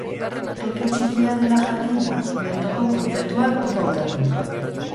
Toki txikia dela jakinda, bertoko kontzertuak ondo hautatu.